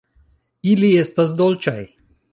Ili estas dolĉaj!